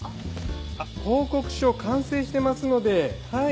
報告書完成してますのではい。